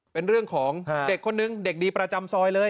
เป็นเรื่องของเด็กคนนึงเด็กดีประจำซอยเลย